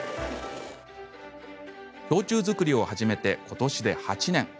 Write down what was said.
氷柱作りを始めてことしで８年。